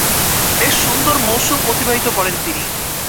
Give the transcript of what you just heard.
বেশ সুন্দর মৌসুম অতিবাহিত করেন তিনি।